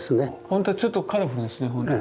ほんとちょっとカラフルですね。